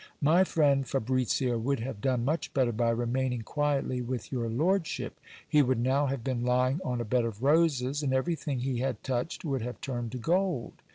My friend Fabricio would have done much better by remaining quietly with your lord ship ; he would now have been King on a bed of roses, and everything he had touched would have turned to gold.